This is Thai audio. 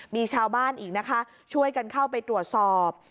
มีชาวบ้านอีกนะคะช่วยกันเข้าไปตรวจสอบ